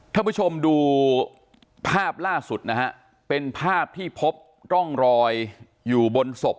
ท่านผู้ชมดูภาพล่าสุดนะฮะเป็นภาพที่พบร่องรอยอยู่บนศพ